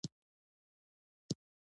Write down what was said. د زردالو ګل سپین وي؟